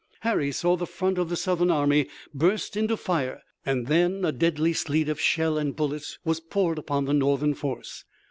Harry saw the front of the Southern army burst into fire, and then a deadly sleet of shell and bullets was poured upon the Northern force.